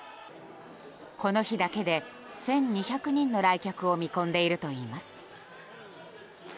この日だけで１２００人の来客を見込んでいるといいます。